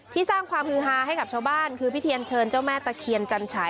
สร้างความฮือฮาให้กับชาวบ้านคือพิเทียนเชิญเจ้าแม่ตะเคียนจันฉาย